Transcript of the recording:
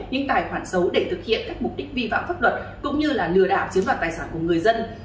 những tài khoản xấu để thực hiện các mục đích vi phạm pháp luật cũng như là lừa đảo chiếm đoạt tài sản của người dân